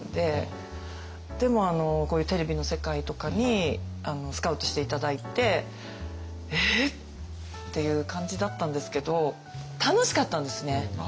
でもこういうテレビの世界とかにスカウトして頂いて「えっ！？」っていう感じだったんですけど楽しかったんですね。